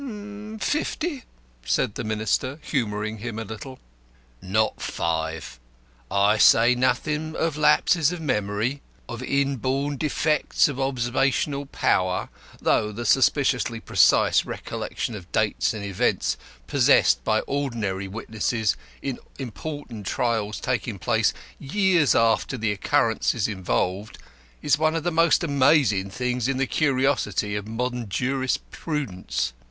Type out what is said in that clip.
"Fifty?" said the Minister, humouring him a little. "Not five. I say nothing of lapses of memory, of inborn defects of observational power though the suspiciously precise recollection of dates and events possessed by ordinary witnesses in important trials taking place years after the occurrences involved, is one of the most amazing things in the curiosities of modern jurisprudence.